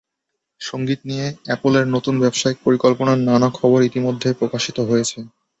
সংগীত নিয়ে অ্যাপলের নতুন ব্যবসায়িক পরিকল্পনার নানা খবর ইতিমধ্যে প্রকাশিত হয়েছে।